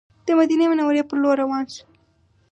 د مدینې منورې پر لور روان شوو.